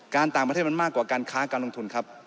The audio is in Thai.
ต่างประเทศมันมากกว่าการค้าการลงทุนครับ